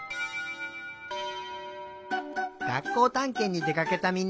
がっこうたんけんにでかけたみんな。